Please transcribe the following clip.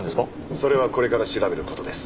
それはこれから調べる事です。